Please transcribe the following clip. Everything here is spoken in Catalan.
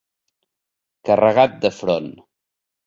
Carregat de front.